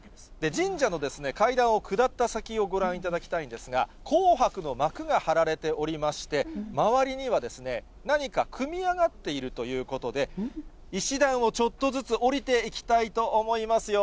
神社の階段を下った先をご覧いただきたいんですが、紅白の幕が張られておりまして、周りには、何か組み上がっているということで、石段をちょっとずつ下りていきたいと思いますよ。